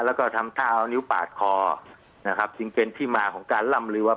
แล้วก็ทำท่าเอานิ้วปาดคอนะครับจึงเป็นที่มาของการล่ำลือว่า